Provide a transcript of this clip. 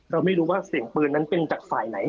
เราไม่รู้ว่าเสียงปืนนั้นเป็นจากฝ่ายไหน